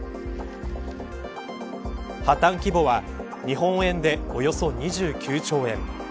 破綻規模は日本円でおよそ２９兆円。